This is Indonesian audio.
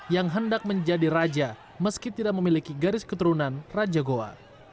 yang hendak menjadi raja meski tidak memiliki garis keturunan raja goa